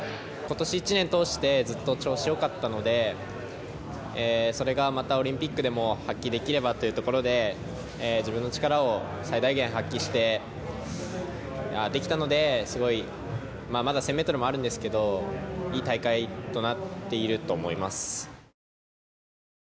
ことし一年を通して、ずっと調子よかったので、それがまたオリンピックでも発揮できればっていうところで、自分の力を最大限発揮して、できたので、すごいまだ１０００メートルもあるんですけど、いい大会となっていると思います。